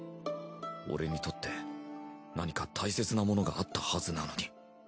俺にとって何か大切なものがあったはずなのに。